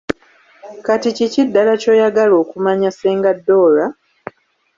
Kati kiki ddala ky’oyagala okumanya Ssenga Dora?